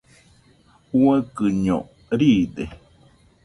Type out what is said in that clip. Uaikɨño riide.